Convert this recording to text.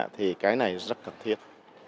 thì cái này rất cần thiết